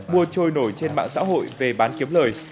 mua trôi nổi trên mạng xã hội về bán kiếm lời